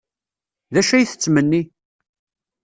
D acu ay tettmenni?